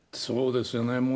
そうですよね。